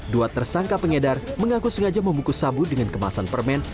dua tersangka pengedar mengaku sengaja membungkus sabu dengan kemasan permen